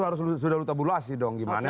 kan sudah lo tabulasi dong gimana